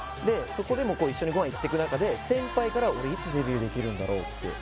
そこでも一緒にご飯行ってく中で先輩から「俺いつデビューできるんだろう？」って